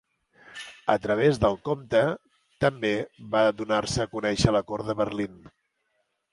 A través del comte, també va donar-se a conèixer a la cort de Berlín.